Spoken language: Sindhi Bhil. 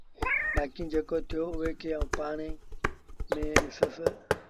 بآڪيٚݩ جيڪو ٿيو اُئي کي آئوݩ پآڻهي مݩهݩ ڏئيٚس